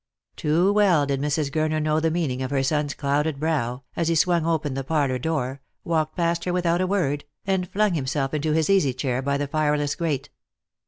Too well did Mrs. Gurner know the meaning of her son's clouded brow, as he swung open the parlour door, walked past her without a word, and flung himself into his easy chair by the 268 Lost for Love. fireless grate.